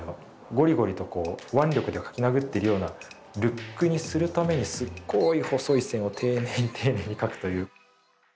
ごりごりとこう腕力で描き殴っているようなルックにするためにすっごい細い線を丁寧に丁寧に描くという。